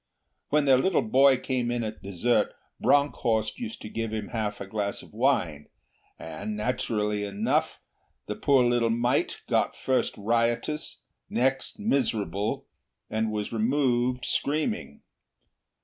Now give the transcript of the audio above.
When their little boy came in at dessert Bronckhorst used to give him half a glass of wine, and, naturally enough, the poor little mite got first riotous, next miserable, and was removed screaming.